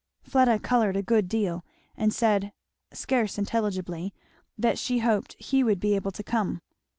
Fleda coloured a good deal, and said, scarce intelligibly, that she hoped he would be able to come.